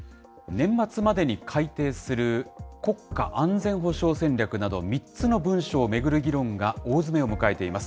年末までに改定する国家安全保障戦略など、３つの文書を巡る議論が大詰めを迎えています。